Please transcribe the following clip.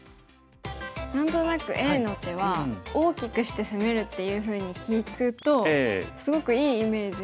何となくＡの手は大きくして攻めるっていうふうに聞くとすごくいいイメージが。